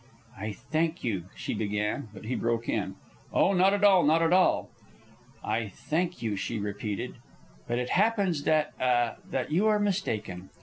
"I thank you," she began; but he broke in, "Oh, not at all, not at all." "I thank you," she repeated; but it happens that a that you are mistaken.